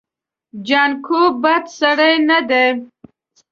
جانکو بد سړی نه دی.